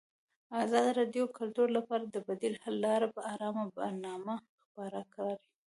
ازادي راډیو د کلتور لپاره د بدیل حل لارې په اړه برنامه خپاره کړې.